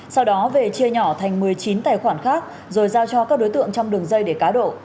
sau đó về chia nhỏ thành một mươi chín tài khoản khác rồi giao cho các đối tượng trong đường dây để cá độ